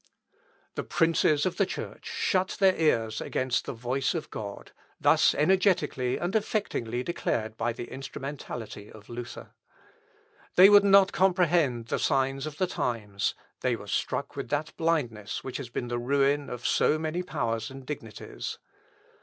The princes of the Church shut their ears against the voice of God, thus energetically and affectingly declared by the instrumentality of Luther. They would not comprehend the signs of the times; they were struck with that blindness which has been the ruin of so many powers and dignities.